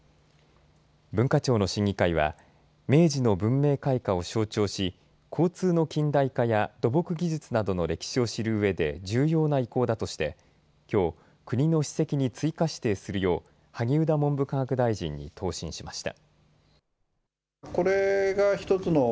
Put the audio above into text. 文化庁の審議会は明治の文明開化を象徴し交通の近代化や土木技術などの歴史を知るうえで重要な遺構だとしてきょう、国の史跡に追加指定するよう萩生田文部科学大臣に答申しました。